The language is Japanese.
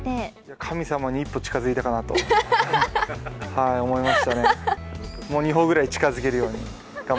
神様に一歩近づいたかなと思よしっ！